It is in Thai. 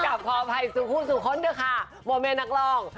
กลับพอภัยสู่คู่สู่คนด้วยค่ะโมเมนักรอง